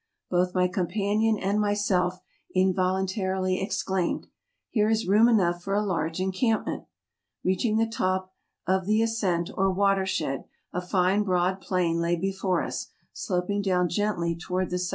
Both my companion and myself involuntarily exclaimed, Here is room enough for a large encampment! " Reaching the top of the ascent, or water shed, a fine broad plain lay before us, sloping down gently towards the S.S.